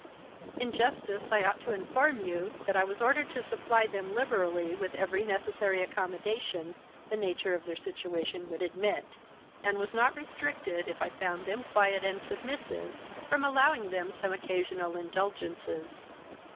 In justice I ought to inform you, that I was ordered to supply them liberally with every necessary accommodation the nature of their situation would admit, and was not restricted, if I found them quiet and submissive, from allowing them some occasional indulgences.